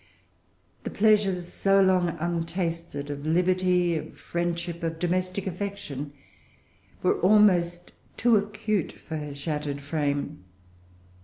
The pleasures, so long untasted, of liberty, of friendship, of domestic affection, were almost too acute for her shattered frame.